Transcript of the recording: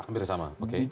hampir sama oke